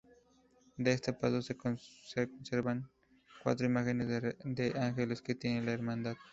De este paso se conservan cuatro imágenes de ángeles que tiene la hermandad.